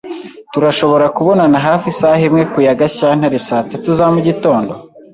Turashobora kubonana hafi isaha imwe ku ya Gashyantare saa tatu za mugitondo?